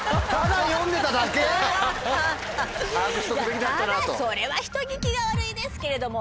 いやただそれは人聞きが悪いですけれども。